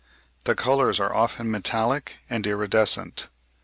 The colours are often metallic and iridescent.